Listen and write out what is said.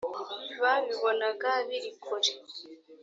babibonaga biri kure